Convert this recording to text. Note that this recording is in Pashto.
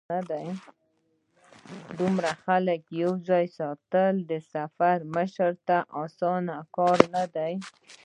د دومره خلکو یو ځای ساتل د سفر مشر ته اسانه کار نه دی.